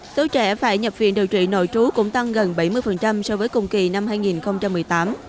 số trẻ phải nhập viện điều trị nội trú cũng tăng gần bảy mươi so với cùng kỳ năm hai nghìn một mươi tám